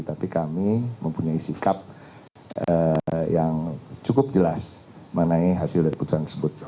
tapi kami mempunyai sikap yang cukup jelas mengenai hasil dari putusan tersebut